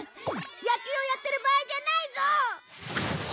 野球をやってる場合じゃないぞ！